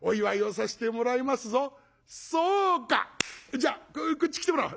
じゃあこっち来てもらおう。